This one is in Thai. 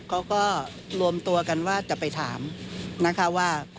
เขาก็รวมตัวกันว่าจะไปถามนะคะว่า